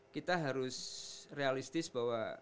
kita harus realistis bahwa